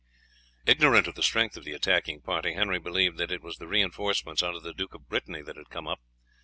Ignorant of the strength of the attacking party, Henry believed that it was the reinforcements under the Duke of Brittany that had come up.